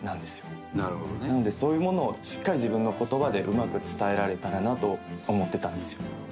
なのでそういうものをしっかり自分の言葉でうまく伝えられたらなと思ってたんですよ。